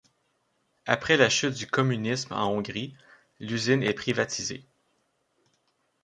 Après la chute du communisme en Hongrie, l'usine est privatisée.